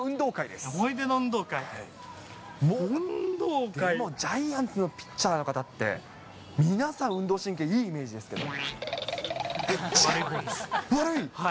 でも、ジャイアンツのピッチャーの方って、皆さん運動神経いいイメージですけど。